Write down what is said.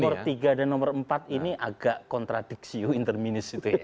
nomor tiga dan nomor empat ini agak kontradiksi inter ministri